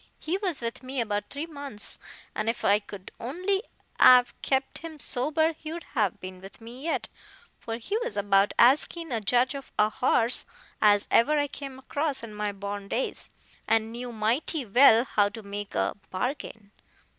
He was with me about three months, an' if I could only 'a' kept him sober he'd been with me yet, for he was about as keen a judge of a horse as ever I came across in my born days, and knew mighty well how to make a bargain.